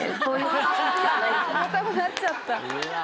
重たくなっちゃったうわ